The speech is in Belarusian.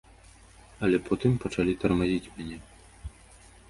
Але потым пачалі тармазіць мяне.